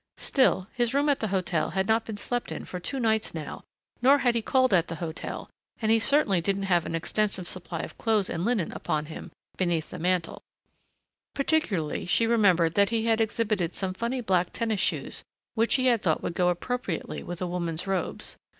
Still his room at the hotel had not been slept in for two nights now nor had he called at the hotel and he certainly didn't have an extensive supply of clothes and linen upon him beneath the mantle. Particularly she remembered that he had exhibited some funny black tennis shoes which he had thought would go appropriately with a woman's robes.